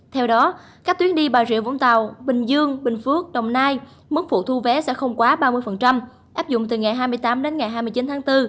theo đó các tuyến đi bà rịa vũng tàu bình dương bình phước đồng nai mức phụ thu vé sẽ không quá ba mươi áp dụng từ ngày hai mươi tám đến ngày hai mươi chín tháng bốn